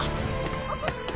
あっ。